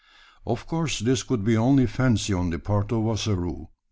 Of course this could be only fancy on the part of Ossaroo.